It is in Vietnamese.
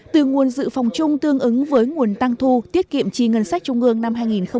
từ nguồn dự phòng chung tương ứng với nguồn tăng thu tiết kiệm trì ngân sách trung hương năm hai nghìn hai mươi hai